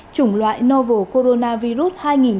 chủng loại novel coronavirus hai nghìn một mươi chín